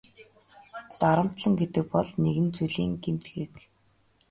Дарамтална гэдэг бол нэгэн зүйлийн гэмт хэрэг.